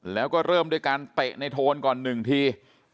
แล้วก็เริ่มด้วยการเตะในโทนก่อน๑ที